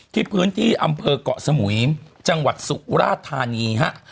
ที่พื้นที่อำเภอกเกาะสมุยจังหวัดสุราธานีฮะ